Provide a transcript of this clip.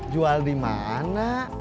jual di mana